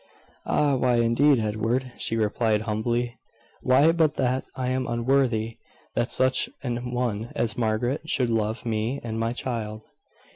"Ah why, indeed, Edward?" she replied, humbly. "Why, but that I am unworthy that such an one as Margaret should love me and my child."